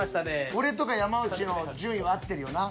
俺とか山内の順位は合ってるよな。